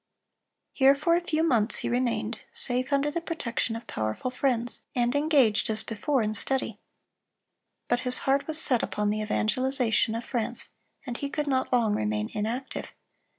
(335) Here for a few months he remained, safe under the protection of powerful friends, and engaged as before in study. But his heart was set upon the evangelization of France, and he could not long remain inactive.